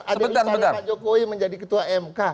ada ipar pak jokowi menjadi ketua mk